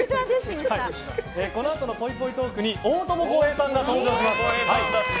このあとのぽいぽいトークには大友康平さんが登場します。